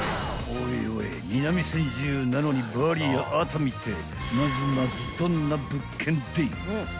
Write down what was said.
［おいおい南千住なのにバリや熱海ってまずまずどんな物件でい］